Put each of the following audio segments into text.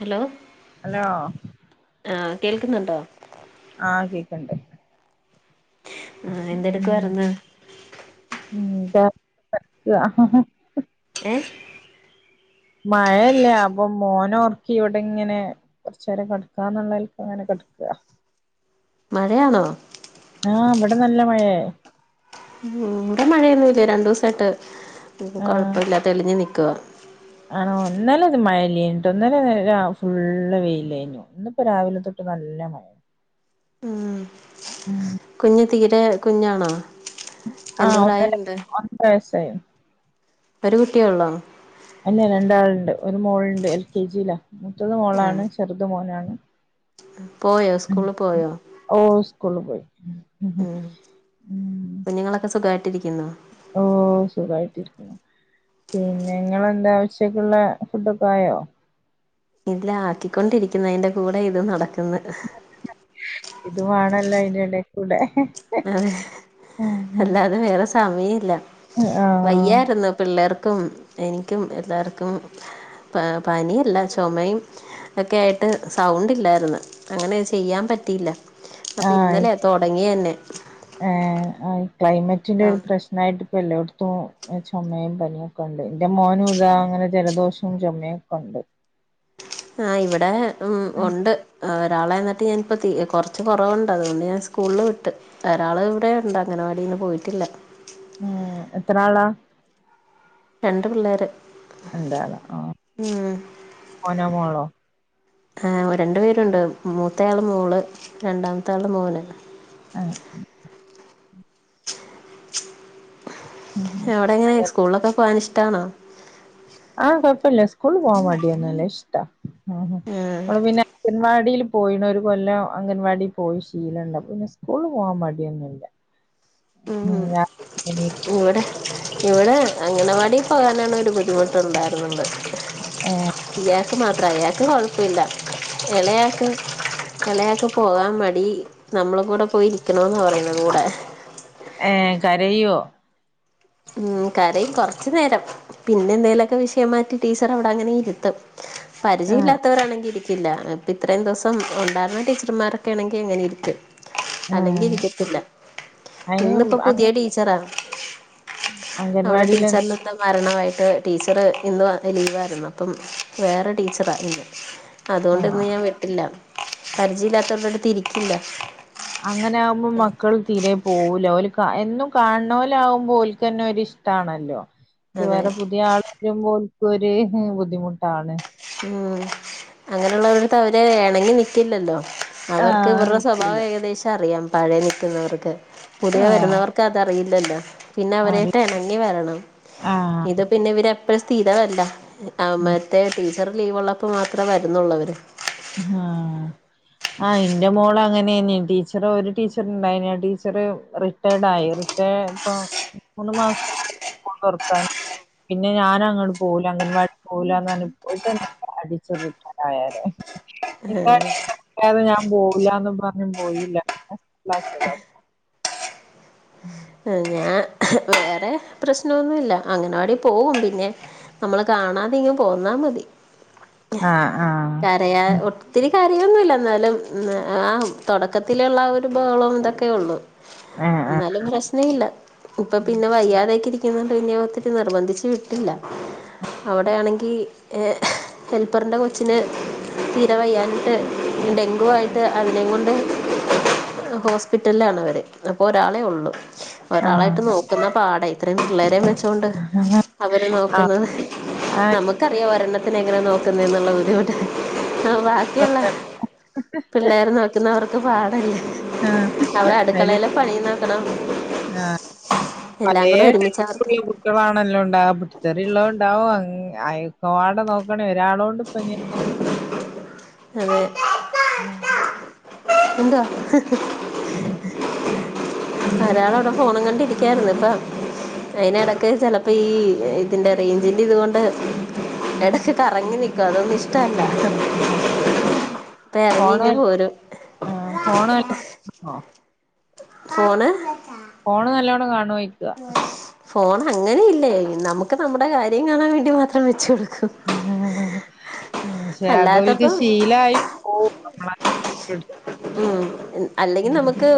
Hello hello ആഹ് കേൾക്ക്ന്ന്ണ്ടോ? ആഹ് കേക്കണ്ട്. ആഹ് ഉം എന്തെടുക്കുവാരൂന്നു [unintelligible] ഏഹ് മഴയില്ല അപ്പൊമോനോർക്കിഇവിടെങ്ങനെ കുറച്ചെരം കെടക്കാന്നുള്ളല് അങ്ങനെ കെടുക്കുക. മഴയാണോ ആഹ് ഇവിടെ നല്ല മഴയേ ഉം ഇവിടെ മഴയൊന്നുല്ല രണ്ടു സയിട്ട് ആഹ് കൊഴപ്പല്ലാ തെളിഞ്ഞ് നിൽക്കുകാണ് ആണോ ഇന്നാലെ ഇത് മയല്ലേ ഞ്ഞിട്ടോ ഇന്നലെ ഫുള് വെയിലെനി ഇന്നിപ്പ രാവിലെ തൊട്ട് നല്ല മഴ ഉം ഉം കുഞ്ഞ് തീരെ കുഞ്ഞാണോ എന്ത് ആഹ് ഒന്നര പ്രായമുണ്ട് ഒന്ന് വയസ്സായി ഒരു കുട്ടിയേള്ളോ അന്നെ രണ്ടാള്ണ്ട് ഒരു മോൾണ്ട് എൽ കെ ജില മുത്തത് ആഹ് മോളാണ് ചെറുത് മോനാണ്. പോയോ. സ്കൂള് പോയോ? ഓഹ് സ്കൂള് പോയി. ഉം കുഞ്ഞുങ്ങളൊക്കെ സുഖായിട്ടിരിക്കുന്നൊ. ഓഹ് സുഖായിട്ടിരിക്കണ് പിന്നെ നിങ്ങളെന്താ ഉച്ചക്കുള്ള ഫുഡൊക്കെ ആയോ. ഇല്ല ആക്കിക്കൊണ്ടിരിക്കുന്ന് അയിന്റെ കൂടെ ഇതും നടക്കുന്നു ഇത് മാണല്ലോ അയിന്റെടീ കൂടെ അതെ. അല്ലാതെ വേറെ സമയില്ല വയ്യാരുന്നു. പിള്ളേർക്കും എനിക്കും എല്ലാർക്കും പനിയില്ല ചുമയും കേട്ടത് സൗണ്ട് ഇല്ലായിരുന്നു. അങ്ങനെ ചെയ്യാൻ പറ്റിയില്ല അപ്പൊ ഇന്നലെ തുടങ്ങിയ ന്നെ ങേ ക്ലൈമറ്റിന്റെ സൗണ്ട് പ്രശ്നയിട്ട് ഇപ്പ എല്ലായിടത്തും ചുമയും പനിയ.. ന്റെ മോനും ദാ ഇങ്ങനെ ജലദോഷവും ചുമയും ഒക്കെയുണ്ട് ആഹ് ഇവിടെ ഉം ഉണ്ട് ഒരാളെ നട്ട് ഞാൻ പ്പ തീ കുറച്ച് കൊറവുണ്ട് അതൊണ്ട് ഞാൻ സ്കൂള് വിട്ട് ഒരാള് ഇവിടെയുണ്ട് അംഗനവാടിന്ന് പോയിട്ടില്ല ഉം എത്ര ആളാ? രണ്ട് പിള്ളേര്. രണ്ടാളോ ആ ഉം മോനോ മോളോ. ആഹ് രണ്ട് പേരുണ്ട് മൂത്തയാള് മോള് രണ്ടാമത്താള് മോന്. ആഹ് അവിടെങ്ങനെ അങ്ങനെ സ്കൂളിലൊക്കെ പോകാൻ ഇഷ്ടാണോ. ആഹ് കുഴപ്പില്ല്യ. സ്കൂള് പോവാൻ മടിയൊന്നുല്ല്യ ഇഷ്ടവാ ഓള് പിന്നെ അംഗൻവാടീലും പോയിണ ഒരു കൊല്ലം അംഗൻവാടി പോയി ശീലള്ള പിന്നെ സ്കൂള് പോവാൻ മടിയൊന്നുല്ല ഉം മിആ എണി ഇവിടെ ഇവിടെ അംഗനവാടി പോകാനാണ് ഒരു ബുദ്ധിമുട്ടുണ്ടായിരുന്നത്. ഏഹ് ഇയാക്ക് മാത്ര ഇയാക്ക് കൊഴപ്പില്ല എളയാക്ക്. എളേയാക് പോകാൻ മടി നമ്മളും കൂടെ പോയിരിക്കണമെന്ന് പറയുന്ന കൂടെ. ഏഹ് കരയൊ ഉം കരയും കൊറച്ച് നേരം പിന്നെന്തേലൊക്കെ വിഷയം മാറ്റി ടീച്ചർ അവിടെ അങ്ങനെ ഇരുത്തും. ആഹ് പരിചയവില്ലാത്തവരാണെങ്കിരിക്ക് ഇപ്പ ഇത്രയും ദിവസം ഉണ്ടായിരുന്ന ടീച്ചർമാരൊക്കെ ആണെങ്കി ഇങ്ങനെ ഇരിക്കും അല്ലെങ്കി ആഹ് ഇരിക്കത്തില്ല. അയിന് ഇന്നിപ്പ പുതിയ ടീച്ചറാ.. ഉം അവളെ ടീച്ചേർന് എന്ത മരണമായിട്ട് ടീച്ചർ ഇന്ന് ലീവായിരുന്നു. അപ്പം വേറെ ടീച്ചറാണ് ഇന്ന്. ആഹ് അതുകൊണ്ടിന്ന് ഞാൻ വിട്ടില്ല പരിചയമില്ലാത്തവരുടെടുതിരിക്കില്ല അങ്ങനെ ആകുമ്പോൾ മക്കൾ തീരെ പോകൂല ഓല്ക്ക് എന്നും കാണുന്നോൽ ആകുമ്പോ ഓല്ക്ക് തന്നെ ഒരിഷ് ട്ടാണല്ലോ ഇത് അതെ വേറെ പുതിയ ആളപ്പോ പോക്ക് ഒരു ബുദ്ധിമുട്ടാണ്. മ്മ് അങ്ങനെയുള്ളവരെത്ത് അവരെ വേണെങ്കി നിക്കില്ലല്ലോ അവർക്ക് ആഹ് ഇവരുടെ നിക്കൂല സ്വഭാവം ഏകദേശം അറിയാം പഴേ നിൽക്കുന്നവർക്ക് പുതിയ ആഹ് വരുന്നവർക്ക് അതറിയില്ലല്ലോ പിന്നെ അറി അവരായിട്ട് ഇണങ്ങി വരണം ആഹ് ഇത് പിന്നെ ഇവരെപ്പഴും സ്ഥിരമല്ല അ മറ്റെ ടീച്ചർ ലീവ് ഉള്ളപ്പോ മാത്രേ വരുന്നുള്ളവര് ആഹ് ആഹ് എന്റെ മോള് അങ്ങനെന്നെ ടീച്ചർ ഒരു ടീച്ചർണ്ടായിന് ആ ടീച്ചർ റി റിട്ടയറായി റിട്ടയ് ഇപ്പൊ മൂന്ന് മാസം ആകും സ്കൂൾ തുറക്കാൻ പിന്നെ ഞാൻ അങ്ങട് പോകൂല അംഗൻവാടിയിൽ പോകൂലാന്ന് പറഞ്ഞിട്ട് അടിച്ചൊറിട്ട് ആഹ് അതെ ഇപ്പാണ് ഈ ചെറിയത് ഞാൻ പോവില്ലാന്ന് പറഞ്ഞ് പോയില്ല [unintelligible] മ്മ് ഞാൻ വേറെ പ്രശ്നൊന്നുല്ല അംഗനവാടിയിൽ പോകും പിന്നെ നമ്മള് കാണാതിങ്ങ് പോന്നാ മതി ആഹ് ആഹ് അയാ ഒത്തിരി കരയൊന്നുല്ല എന്നാലും ആ തുടക്കത്തിലുള്ള ആ ഒരു ബഹളം ഇതൊക്കെ ഉളളൂ. ആഹ് ന്നാലും പ്രശ്നം ഇല്ല ഇപ്പ പിന്നെ വയ്യാതെ.. ഇത് ഇരിക്കുന്നോണ്ട് ഒത്തിരി നിർബന്ധിച്ച് വിട്ടില്ല അവിടെയാണെങ്കി ഏഹ് ഹെൽപ്പറിന്റെ കൊച്ചിന് തീര വയ്യാഞ്ഞിട്ട് ഡെങ്കു ആയിട്ട് അതിനെ കൊണ്ട് ഹോസ്പിറ്റലിൽ ആണ് അവര് അപ്പൊ ഒരാളെ ഉള്ളു ആഹ് ഒരാളായിട്ട് ആഹ് നോക്കുന്ന പാടെ ഇത്രയും പിള്ളേരെ വെച്ചൊണ്ട് ആഹ് ആഹ് അവര് നോക്കുന്നത് ആഹ് നമുക്കറിയാം ഒരെണ്ണത്തിനെ എങ്ങനെ നോക്കുന്നത് എന്നുള്ള ബുദ്ധിമുട്ട് [unintelligible] ഇനിയുള്ള പിള്ളേർ നോക്കുന്നവർക്ക് പാടല്ലേ അവർ അടുക്കളലും പണിയും നോക്കണം ആഹ് എല്ലാം പഴയ കൂടെ ഒരുമിച്ച് അവർക്ക് [unintelligible] കുട്ടിളാണല്ലോ ഉണ്ടാക പൊട്ടിത്തെറിള്ളതും ഇണ്ടാകും അൻ ഒക്കമ്പാടെ നോക്കണ്ടെ ഒരാളൊ അതെ [unintelligible] എന്താ മ്മ്ഹ് ഒരാള് ഇവിടെ ഫോണും കണ്ടിരിക്കായിരുന്നു ഇപ്പം അയ്ന് ഇടക്ക് ചെലപ്പോ ഈ ഇതിന്റെ റേഞ്ചിന്റെ ഇത് കൊണ്ട് എടക്ക് കറങ്ങി നിക്കും അതൊന്നു ഇഷ് ടല്ല പ്പ എറങ്ങി ഇങ്ങ് പോരും ആ ഫോണ് നല്ലോണം എടുക്കോ ഫോണ് ഫോണ് നല്ലോണം കാണോയിക്ക ഫോൺ അങ്ങനെ ഇല്ലേ നമുക്ക് നമ്മുടെ കാര്യം കാണാൻ വേണ്ടി മാത്രം വെച്ച് കൊടുക്കും. അതൊരു അല്ലാത്തപ്പം ശീലായി പോവും മ്മ് അല്ലെങ്കിൽ നമുക്ക്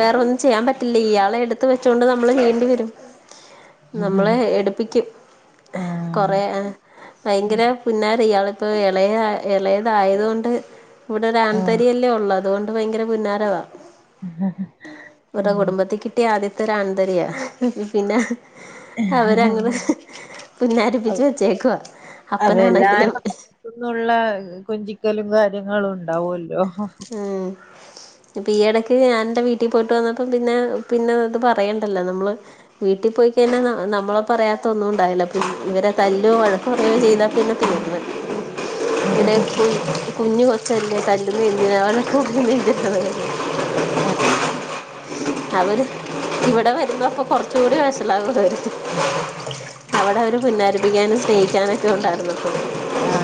വേറൊന്ന് ചെയ്യാൻ പറ്റില്ല ഇയാളെ എടുത്ത് വെച്ചുകൊണ്ട് നമ്മള് ചെയ്യേണ്ടി വരും നമ്മളെ എടുപ്പിക്കും കൊ റ ആഹ് ഭയങ്കര പുന്നാര ഇയാളിപ്പോ ഇളയ ഇളയതായത് കൊണ്ട് ഇവിടെ ആഹ് ഒരാൺതരിയല്ലേ ഉള്ളൂ അതുകൊണ്ട് ഭയങ്കര പുന്നാരവാ ഇവിടെ കുടുംബത്തി കിട്ടിയ ആദ്യത്തെ ഒരാാണ്തരിയാ പിന്ന അവരങ്ങനെ പുന്നാരിപ്പിച്ച് വെച്ചേക്കുവ അപ്പനാണെങ്കിലും ഇന്നുള്ള കൊഞ്ചിക്കലും കാര്യങ്ങളും ഉണ്ടാവല്ലോ ഉം ഇപ്പൊ ഈ ഇടക്ക് ഞാനെന്റെ വീട്ടിൽ പോയിട്ട് വന്നപ്പ പിന്നെ പിന്നെ ഇത് പറയണ്ടല്ലോ നമ്മള് വീട്ടി പോയിക്കയിഞ്ഞാന്ന നമ്മളെ പറയാത്ത ഒന്നും ണ്ടാവില്ല. പിൻ ഇവരെ തല്ലും, വഴക് [unintelligible] കുഞ്ഞു കൊച്ചല്ലേ [unintelligible] [inaudible] ആഹ്. അവര് ഇവിടെ വരുമ്പോ അപ്പൊ കൊർച്ചൂടി വഷളാവുഅവര് അവിടെ അവര് പുന്നാരപ്പിക്കാനും സ്നേഹിക്കാനും ആഹ്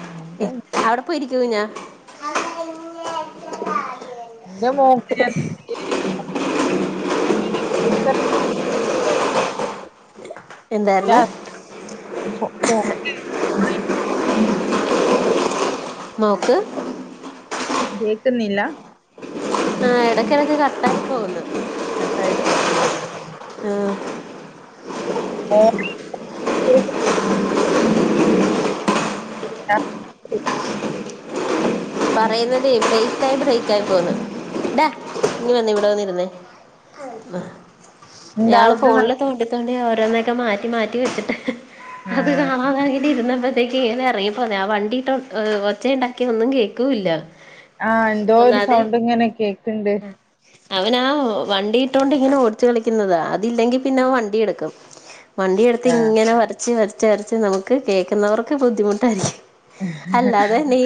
അങ്ങനത്തെ ണ്ടായി അവിടെ പോയ് ഇരിക്ക തുഞ്ഞ [inaudible] ന്റെ മോക്ക് നാൻ എന്തായിരുന്നു [unintelligible] [inaudible] [unintelligible] നോക്ക് കേക്കുന്നില്ല ആ എടക്കിടക്ക് കട്ടായി പോകുന്നു. കട്ടായി പോവ്ന്ന്ണ്ട്ലെ? ആ [unintelligible] [unintelligible] പറയുന്നതേ ബ്രേക്കായി ബ്രേക്കായി പോന്നു ടാ ഇങ്‌ വന്നേ ഇവിടെ വന്നിരുന്നേ ന്ന. എന്താ ഞാള് അവിടുന്ന് ഫോണില് തോണ്ടി, തോണ്ടി ഓരോന്നൊക്കെ മാറ്റി, മാറ്റി വെച്ചിട്ട് അത് ഏഹ് കാണതാ ഇര്ന്നപ്പഴത്തേക്ക് ഇങ്ങനെ എറങ്ങിപ്പോന്നെ ആഹ് വണ്ടിട്ട് ഒച്ച ഉണ്ടാക്കിയ ഒന്നും കേക്കൂല്ല ആഹ് എന്തോ ഒരു സൗണ്ട് ങ്ങനെ കേക്ക് ണ്ട് അവനാ വണ്ടിയിട്ടോണ്ടിങ്ങനെ ഓടിച്ചു കളിക്കുന്നതാ അതില്ലെങ്കി പിന്നെഅവൻ വണ്ടിയെടുക്കും. വണ്ടിയെടുത്ത് ആ ഇങ്ങനെ വരച്ച് വരച്ച് വരച്ച് നമുക്ക് കേക്കുന്നവർക്ക് ബുദ്ധിമുട്ടായിരി അല്ലാതനീ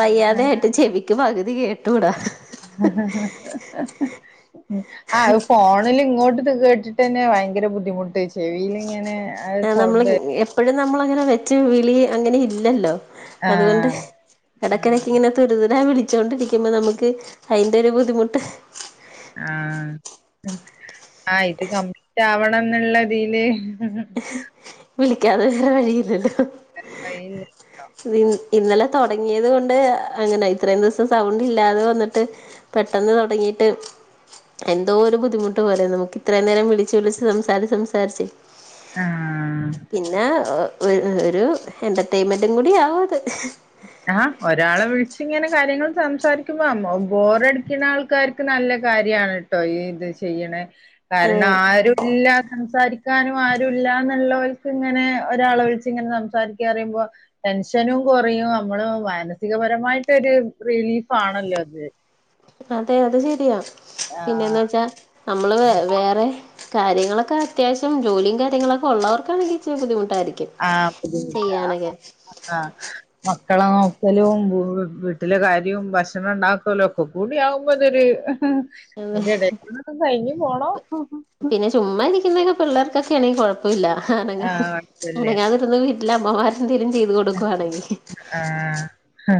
വയ്യാതെ ആയിട്ട് ചെവിക്ക് പകുതി കേട്ടുടാ അഅ് ഫോണില് ഇങ്ങോട്ട് ത്കേ ന്നെട്ടെന്നെ ഭയങ്കര ബുധിമുട്ട് ച് ആ നമ്മള് എപ്പോഴും നമ്മള അങ്ങനെ വെച്ച് വിളി അങ്ങനെ ഇല്ലല്ലോ? ആ അതുകൊണ്ട്? ആ ഇടയ്ക്കിടക്ക് ഇങ്ങനെ തുരിതുരാ വിളിച്ചോണ്ടിരിക്കുമ്പോ, നമുക്ക് അയിന്റെ ഒരു ബുദ്ധിമുട്ട്. ആഹ് ആ ഇത് കംപ്ലീറ്റ് ആവണം എന്നുള്ളതില് വിളിക്കാതെന്ന വഴിയില്ലല്ലോ [inaudible] ഇ ഇന്നലെ തോടങ്ങിയത് കൊണ്ട് അങ്ങനെ ഇത്രേം ദിവസം സൗണ്ട് ഇല്ലാതെ വന്ന്ട്ട് പെട്ടെന്ന് തൊടങ്ങിട്ട് എന്തോ ഒരു ബുദ്ധിമുട്ട് പോലെ നമുക്ക് ഇത്രയും നേരം വിളിച് വിളിച്ച് സംസാരിച്ച് സംസാരിച്ചേ? ആ പിന്നെ ഒരു എന്റർടൈൻമെന്റും കൂടി ആവുത് ആ ഒരാളെ വിളിച്ചിങ്ങനെ കാര്യങ്ങൾ സംസാരിക്കുമ്പോ ബോറടിക്കുന്ന ആൾക്കാർ ക്ക്നല്ല കാര്യാണ് ട്ടോ ഈ ഇത് ചെയ്യ്ണ് അതെ കാരണം ആരുല്ല സംസാരിക്ക ക്കാനും ആരുല്ലാന്ന്ള്ളോൽക്ക്‌ ഇങ്ങനെ ഒരാളെ വിളിച്ച് ഇങ്ങനെ സംസാരിക്കാറിയുമ്പോ ടെൻഷനും കുറയും അമ്മള് മാനസികപരമായിട്ടരു റിലീഫ് ആണല്ലോ അത് അതെ. അത് ശെരിയാ. പിന്നേന്ന് ആഹ് വെച്ചാ അമ്മള് വേ വേറെ കാര്യങ്ങളൊക്കെ അത്യാവശ്യം ജോലിയും കാര്യങ്ങളൊക്കെ ഉള്ളവർക്കണങ്കിൽ ഇച്ചിരി ബുദ്ധിമുട്ടായിരിക്കും ആഹ് ചെയ്യാനൊക്കെ [unintelligible] മക്കളോക്കലും വീട്ടിലെ കാര്യവും ഭക്ഷണം ഉണ്ടാക്കലോക്കും തൂടി ആകുമ്പോതൊരു, അയ്ന്റെ ഇഡേകൂട്യ കൈഞ്ഞി പോണം. പിന്നെ ചുമ്മാ ഇരിക്കുന്നൊക്കെ പിള്ളേർക്കൊക്കെ ആണെങ്കി കൊഴപ്പവില്ല ആണ്ങ്ങക്ക് ആഹ് കൊഴപ്പല്ല്യ. അനങ്ങാതിരുന്ന് വീ ല്ല അമ്മമാര്ക്കന്തേലും ചെയ്ത് കൊടുക്കുവാണെങ്കി ആഹ്. ഹ്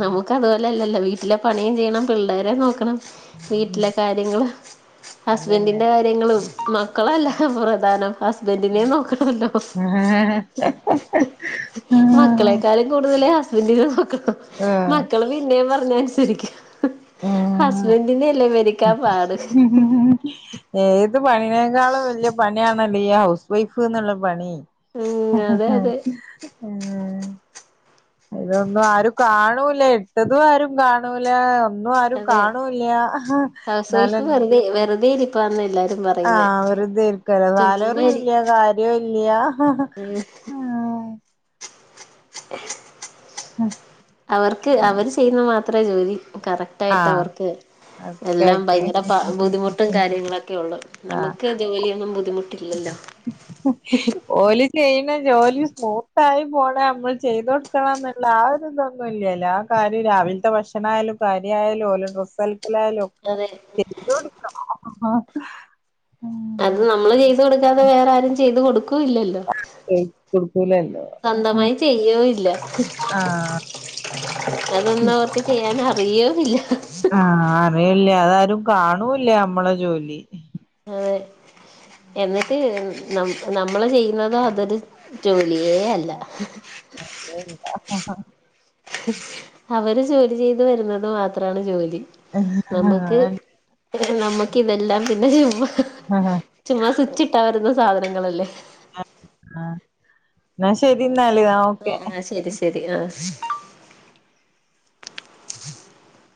നമുക്ക് അതുപോലെ ല്ലല്ലോ വീട്ടിലെ പണിയും ചെയ്യണം പിള്ളേരെ നോക്കണം വീട്ടിലെ കാര്യങ്ങള് അതന്നെ. ഹസ്ബൻറിന്റെ കാര്യങ്ങളും മക്കളല്ല പ്രധാനം ഹസ്ബൻഡിനെ നോക്കണോല്ലോ? [inaudible] മക്കളെക്കാല് കൂടുതല് ഹസ്ബൻന്റിനെ നോക്കണം. ആ. മക്കള് പിന്നേം പർഞ്ഞാ അൻസരിക്കും. ഹസ്ന്റിനെല്ലേ മെരുക്കാൻ പാട് ഏത് പണിനേക്കാളും വല്യ പണിയാണല്ലോ, ഈ ഹൗസ് വൈഫ്ന്നുള്ള പണി. ഉം അതെ ഹ്ഹഹ് അതെ ഇതൊന്നും ആരും കാണൂല ഇട്ടതും ആരും കാണൂല ഒന്നും ആരും അതെ കാണൂല്ല. എന്നാല വെറുതെരി പ്പാന് എല്ലാരും പറ ആഹ് വെറുതെരിക്കല്ല സാലറിയൂല്ല കാര്യവും ഇല്ല മ്മ് അവർക്ക് ആഹ് അവര് ചെയ്യുന്ന മാത്രേ ജോലി കറ ആഹ് ട്ടേവർക്ക് ഒക്കെ എല്ലാം ആയിട്ട് ഭയങ്കര പ ബുദ്ധിമുട്ടും കാര്യങ്ങളൊക്കെ ഒള്ളൂ ആഹ് നമ്മക്ക് ജോലിയൊന്നും ബുദ്ധിമുട്ടില്ലല്ലോ [inaudible] ഓല് ചെയ്യണ ജോലി സ്മൂത്തായി പോണേ നമ്മള് ചെയ്തോടുക്കണം ന്നുള്ള ആ ഒരു ഇതൊന്നുല്ലല്ലോ കാര് രാവിൽത്തെ ഭക്ഷണായാലും, സാരിയായാലും ഓലെ ഡ്രസ്സൽക്കലായാലും ഒക്കെ അതെ ചെയ്തു കൊടുക്കണം ഉം അത് നമ്മള് ചെയ്ത് കൊടുക്കാതെ വേറെ ആരും ചെയ്ത് കൊടുക്കൂല്ലല്ലോ? [inaudible] കേക്കൂല്ലല്ലോ [inaudible] സ്വന്തമായി ചെയ്യോ ഇല്ല ആ അതൊന്നും അവർക്ക് ചെയ്യാൻ അറിയോല്ല ആഹ് അറിയില്ലാ അതാരും കാണൂല്ലാ നമ്മളെ ജോലി ആയി എന്നിട്ട് ന നമ്മള് ചെയ്യുന്നതോ അതൊരു ജോലിയേ അല്ല [unintelligible] ല്ല അവര് ജോലി ചെയ്ത് വരുന്നത് മാത്രാണ് ജോലി നമ്മക്ക് നമ്മക്ക് ഇതെല്ലാം പിന്നെ ചെയ്യുമ്പോ അഹ് അഹ് ചുമ്മാ സ്വിച്ചിട്ട വരുന്ന സാധനങ്ങളല്ലേ? ആഹ് ന്നാ ശെരി ന്നാല് ആ ആ ശരി ശരി ആ [inaudible]